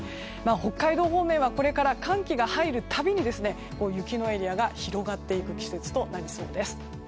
北海道方面はこれから寒気が入るたびに雪のエリアが広がっていく季節となりそうです。